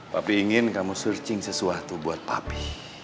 papi ingin kamu searching sesuatu buat papi